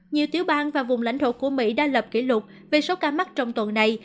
nhiều tiểu bang và vùng lãnh thổ của mỹ đã lập kỷ lục về số ca mắc trong tuần này